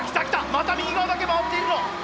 また右側だけ回っているぞ！